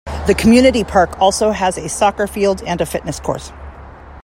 The community park also has a soccer field and a fitness course.